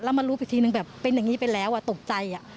แล้วมันรู้ไปทีนึงแบบเป็นอย่างนี้ไปแล้วอ่ะตกใจอ่ะ